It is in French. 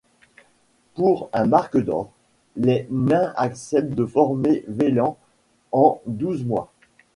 Pour un marc d’or, les nains acceptent de former Véland en douze mois.